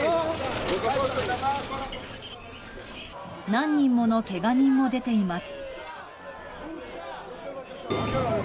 何人もの、けが人も出ています。